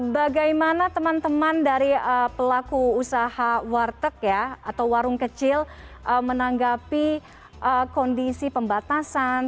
bagaimana teman teman dari pelaku usaha warteg ya atau warung kecil menanggapi kondisi pembatasan